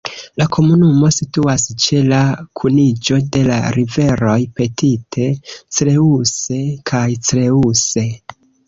La komunumo situas ĉe la kuniĝo de la riveroj Petite Creuse kaj Creuse.